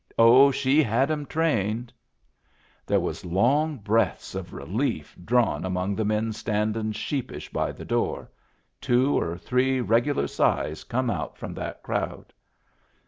Oh, she had 'em trained ! There was long breaths of relief drawn among the men standin* sheepish by the door — two or three regular sighs come out from that crowd.